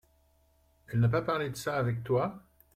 Elle n’a pas parlé de ça avec toi ?